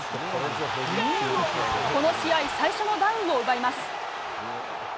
この試合最初のダウンを奪います。